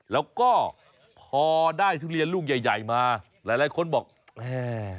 แล้วก็พอได้ทุเรียนลูกใหญ่มาหลายคนบอกแม่